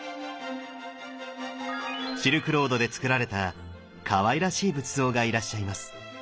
シルクロードでつくられたかわいらしい仏像がいらっしゃいます。